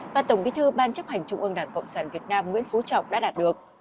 và tổng bí thư ban chấp hành trung ương đảng cộng sản việt nam nguyễn phú trọng đã đạt được